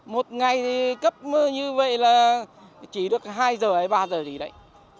một ngày thì cấp như vậy là chỉ được hai giờ hay ba giờ gì đấy